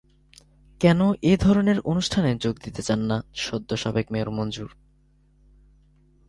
কেন এ ধরনের অনুষ্ঠানে যোগ দিতে চান না সদ্য সাবেক মেয়র মনজুর?